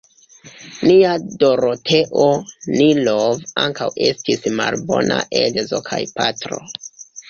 Nia Doroteo Nilov ankaŭ estis malbona edzo kaj patro.